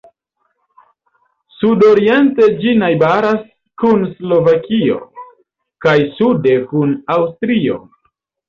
Sudoriente ĝi najbaras kun Slovakio kaj sude kun Aŭstrio.